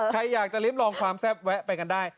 ใครอยากจะลิ้มลองความแซ่บแวะไปกันได้